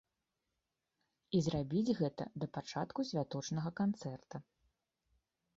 І зрабіць гэта да пачатку святочнага канцэрта.